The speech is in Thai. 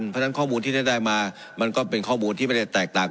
เพราะฉะนั้นข้อมูลที่ได้มามันก็เป็นข้อมูลที่ไม่ได้แตกต่าง